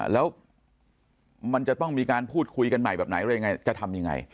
แล้วมันจะต้องมีการพูดคุยกันใหม่แบบไหนอะไรยังไงจะทำยังไง